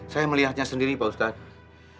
saya melihatnya sendiri pak ustadz